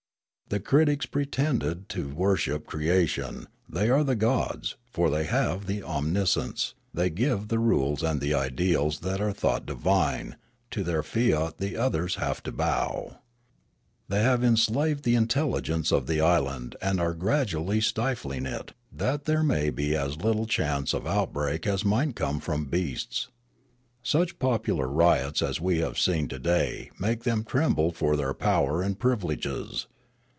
The critics pretend to worship creation ; they are the gods, for thej^ have the omniscience ; the}^ give the rules and the ideals that are thought divine; to. their fiat the others have to bow\ The)' have enslaved the intelligence of the island and are graduallj stifling it, that there may be as little chance of outbreak as might come from beasts. Such popular riots as we have seen to day make them tremble for their power and privi leges.